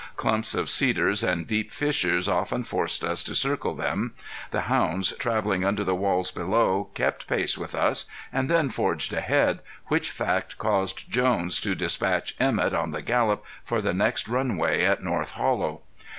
Clumps of cedars and deep fissures often forced us to circle them. The hounds, traveling under the walls below, kept pace with us and then forged ahead, which fact caused Jones to dispatch Emett on the gallop for the next runway at North Hollow.